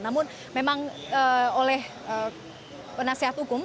namun memang oleh penasihat hukum